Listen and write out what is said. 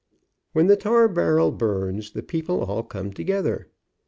'' When the tar barrel burns the people all come together.